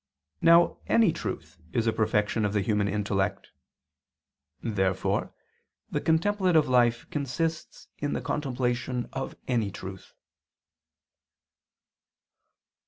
Now any truth is a perfection of the human intellect. Therefore the contemplative life consists in the contemplation of any truth.